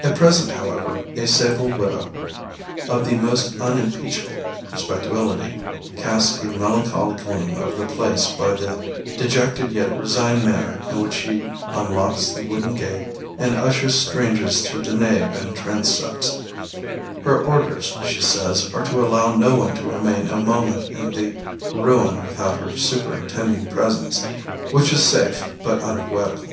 At present, however, a sable widow, of the most unimpeachable respectability, casts a melancholy gloom over the place by the dejected yet resigned manner in which she unlocks the wooden gate and ushers strangers through the nave and transepts. Her orders, she says, are to allow no one to remain a moment in the ruin without her superintending presence which is safe, but unpoetical.